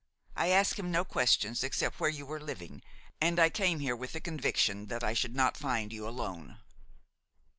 I asked him no questions except where you were living, and I came here with the conviction that I should not find you alone."